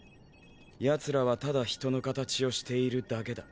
奴らはただ人の形をしているだけだ。